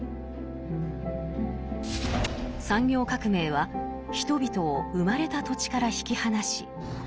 産業革命は人々を生まれた土地から引き離し